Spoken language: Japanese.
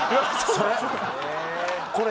それ！